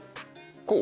こう？